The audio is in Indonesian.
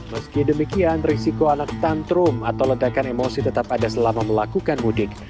meski demikian risiko anak tantrum atau ledakan emosi tetap ada selama melakukan mudik